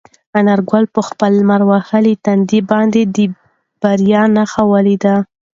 انارګل په خپل لمر وهلي تندي باندې د بریا نښه ولیده.